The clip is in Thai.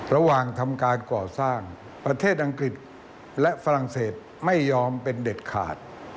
ระหว่างทำการก่อสร้างประเทศอังกฤษและฝรั่งเศสไม่ยอมเป็นเด็ดขาด